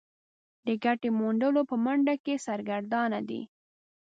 د ګټې موندلو په منډه کې سرګردانه دي.